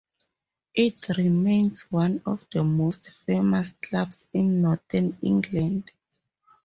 It remains one of the most famous clubs in Northern England.